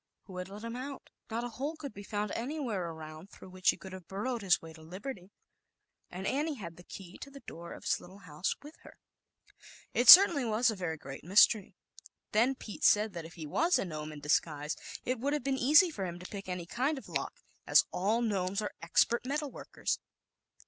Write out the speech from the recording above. Who had let him out ? Not a hole could be found anywhere around through which he could have burrowed his way to liberty, and Annie had the key to the door of his little house with her. It certainly was a very great mystery. ". Then Pete said that if he was a Gnome j *in disguise, it would have been easy for .(him to pick any kind of a lock, as all [ nomes are expert metal workers.